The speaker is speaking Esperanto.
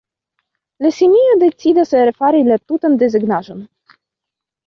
La simio decidas refari la tutan desegnaĵon.